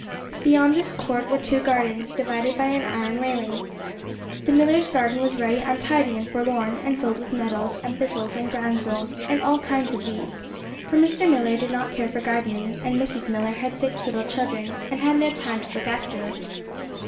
Beyond this court were two gardens, divided by an iron railing. The Millars' garden was very untidy and forlorn, and filled with nettles, and thistles, and groundsel, and all kinds of weeds, for Mr. Millar did not care for gardening, and Mrs. Millar had six little children, and had no time to look after it.